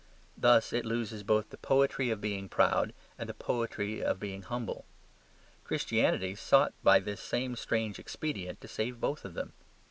Thus it loses both the poetry of being proud and the poetry of being humble. Christianity sought by this same strange expedient to save both of them.